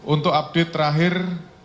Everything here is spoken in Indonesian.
untuk update terakhir